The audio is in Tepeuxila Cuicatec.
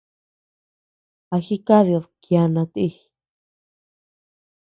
¿A jikadid kiana ti?